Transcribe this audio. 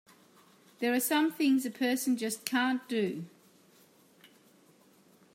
There are some things a person just can't do!